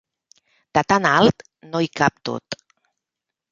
De tan alt no hi cap tot.